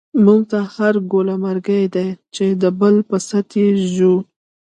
مونږ ته هر گوله مرگۍ دۍ، چی دبل په ست یی ژوو